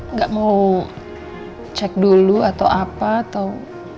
nggak mau cek dulu atau apa atau